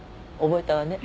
覚えたわね。